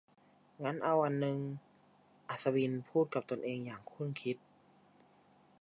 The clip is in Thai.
งั้นเอาอันนึง อัศวินพูดกับตนเองอย่างครุ่นคิด